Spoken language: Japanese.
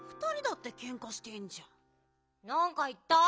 なんかいった？